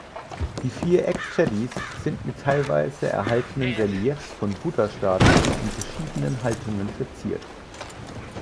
Die vier Eck-Chedis sind mit teilweise erhaltenen Reliefs von Buddha-Statuen in verschiedenen Haltungen verziert.